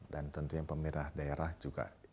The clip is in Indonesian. dan tentunya pemerintah daerah juga